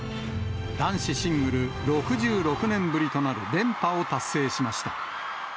男子シングル６６年ぶりとなる連覇を達成しました。